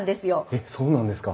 えっそうなんですか？